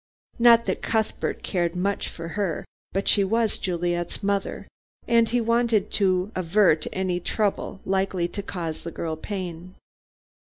Not that Cuthbert cared much for her, but she was Juliet's mother, and he wanted to avert any trouble likely to cause the girl pain.